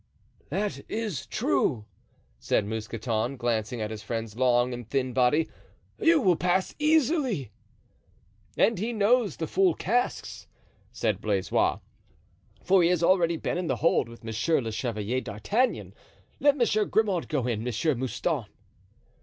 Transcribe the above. "That is true," said Mousqueton, glancing at his friend's long and thin body, "you will pass easily." "And he knows the full casks," said Blaisois, "for he has already been in the hold with Monsieur le Chevalier d'Artagnan. Let Monsieur Grimaud go in, Monsieur Mouston."